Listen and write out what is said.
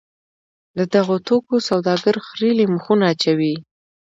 د دغو توکو سوداګر خریېلي مخونه اچوي.